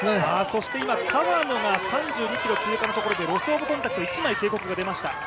そして今、川野が３２ｋｍ通過のところでロス・オブ・コンタクト１枚警告が出ました。